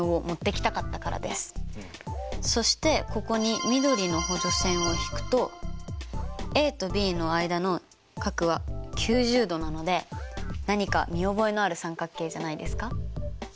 そしてここに緑の補助線を引くとａとｂの間の角は９０度なので何か見覚えのある三角形じゃないですか？